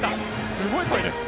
すごい声です。